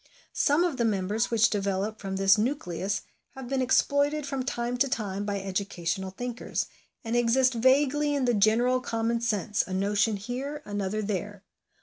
Some of the members which develop from this nucleus have been exploited from time to time by educational thinkers, and exist vaguely in the general common sense, a notion here, another there.